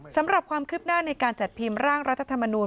สำหรับความคืบหน้าในการจัดพิมพ์ร่างรัฐธรรมนูล